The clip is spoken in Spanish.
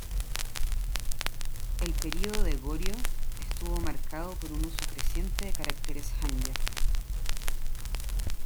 El período de Goryeo estuvo marcado por un uso creciente de caracteres hanja.